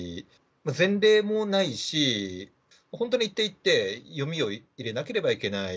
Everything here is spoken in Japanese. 前例もないし、本当に一手一手、読みを入れなければいけない。